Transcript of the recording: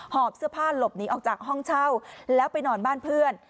หอบเสื้อผ้าหลบหนีออกจากห้องเช่าแล้วไปนอนบ้านเพื่อน